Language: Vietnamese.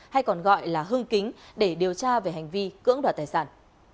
hay còn gọi là hưng kính để điều tra về hành vi cưỡng đoạt tài sản